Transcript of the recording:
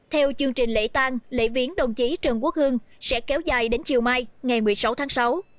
theo chương trình lễ tang lễ viến đồng chí trần quốc hương sẽ kéo dài đến chiều mai ngày một mươi sáu tháng sáu